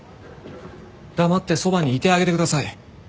黙ってそばにいてあげてください。